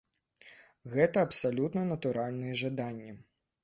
Гэта абсалютна натуральныя жаданні.